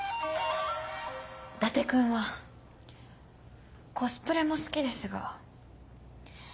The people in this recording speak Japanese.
伊達君はコスプレも好きですが。